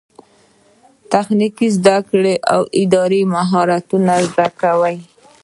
د تخنیکي زده کړو اداره مهارتونه زده کوي